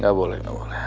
gak boleh gak boleh